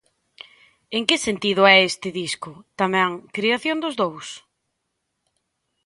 En que sentido é este disco, tamén, creación dos dous?